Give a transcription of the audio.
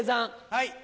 はい。